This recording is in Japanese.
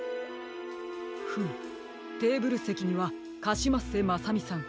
フムテーブルせきにはカシマッセまさみさん